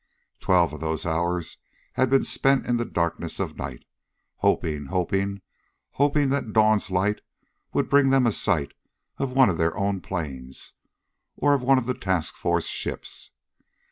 Twelve of those hours had been spent in the darkness of night, hoping, hoping, hoping that dawn's light would bring them a sight of one of their own planes, or one of the task force ships.